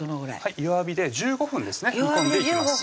弱火で１５分ですね煮込んでいきます